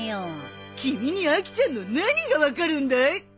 君にアキちゃんの何が分かるんだい？